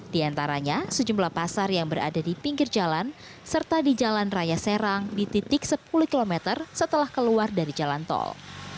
di antaranya sejumlah pasar yang berada di pinggir jalan serta di jalan raya serang di titik sepuluh km setelah keluar dari jalan tol